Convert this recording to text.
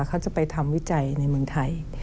เขาจะไปทำวิจัยในเมืองไทย